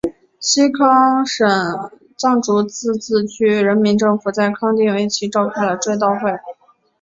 西康省藏族自治区人民政府在康定为其召开了追悼会。